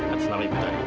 tak possible ibu tari